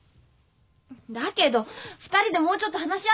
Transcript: だけど２人でもうちょっと話し合った方が。